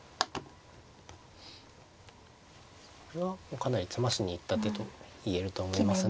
これはかなり詰ましに行った手と言えると思いますね。